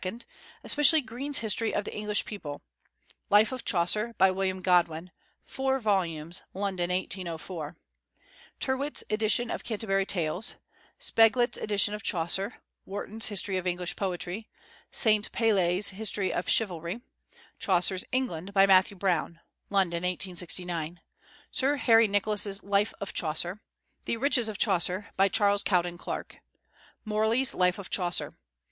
especially Green's History of the English People; Life of Chaucer, by William Godwin (4 volumes, London, 1804); Tyrwhitt's edition of Canterbury Tales; Speglet's edition of Chaucer; Warton's History of English Poetry; St. Palaye's History of Chivalry; Chaucer's England, by Matthew Browne (London, 1869); Sir Harris Nicholas's Life of Chaucer; The Riches of Chaucer, by Charles Cowden Clarke; Morley's Life of Chaucer.